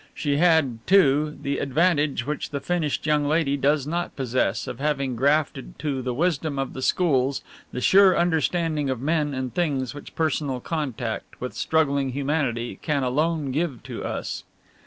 She had, too, the advantage which the finished young lady does not possess, of having grafted to the wisdom of the schools the sure understanding of men and things which personal contact with struggling humanity can alone give to us.